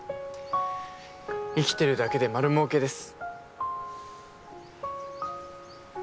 生きてるだけで丸もうけです。